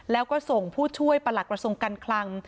แล้วก็ส่งผู้ช่วยประหลักกระทรวงการคลัง